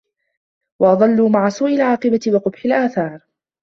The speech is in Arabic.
وَأَضَلُّوا مَعَ سُوءِ الْعَاقِبَةِ وَقُبْحِ الْآثَارِ